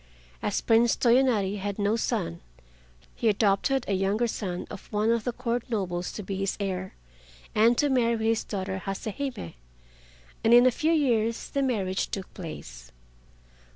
As Prince Toyonari had no son, he adopted a younger son of one of the Court nobles to be his heir, and to marry his daughter Hase Hime, and in a few years the marriage took place.